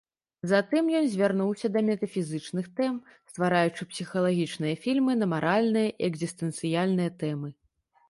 Затым ён звярнуўся да метафізічных тэм, ствараючы псіхалагічныя фільмы на маральныя і экзістэнцыяльныя тэмы.